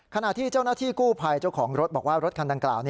ขณะที่เจ้าหน้าที่กู้ภัยเจ้าของรถบอกว่ารถคันดังกล่าว